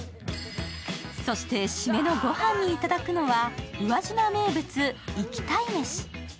そして締めのごはんにいただくのは、宇和島名物・活き鯛めし。